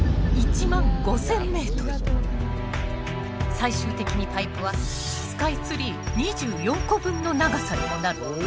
最終的にパイプはスカイツリー２４個分の長さにもなる。